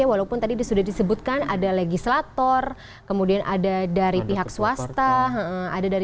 walaupun tadi sudah disebutkan ada legislator kemudian ada dari pihak swasta ada dari